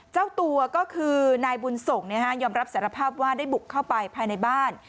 เจ้าตัวก็คือนายบุญส่งยอมรับสารภาพว่าได้บุกเข้าไปภายในบ้าน